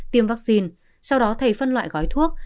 tiêm vaccine sau đó thầy phân loại gói thuốc